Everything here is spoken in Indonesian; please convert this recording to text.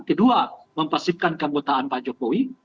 kedua mempesifkan keanggotaan pak jokowi